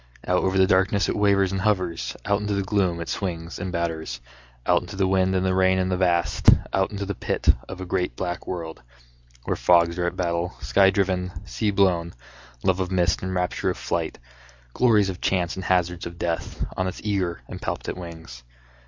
Out over the darkness it wavers and hovers, Out into the gloom it swings and batters, Out into the wind and the rain and the vast, Out into the pit of a great black world, Where fogs are at battle, sky driven, sea blown, Love of mist and rapture of flight, Glories of chance and hazards of death On its eager and palpitant wings.